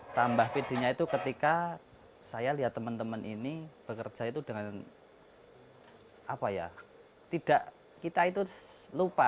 karena tambah pedenya itu ketika saya lihat teman teman ini bekerja itu dengan apa ya tidak kita itu lupa